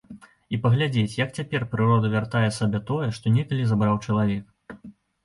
І паглядзець, як цяпер прырода вяртае сабе тое, што некалі забраў чалавек.